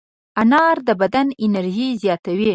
انار د بدن انرژي زیاتوي.